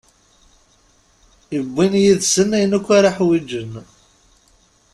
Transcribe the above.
Iwin yid-sen ayen akk ara iḥwiǧen.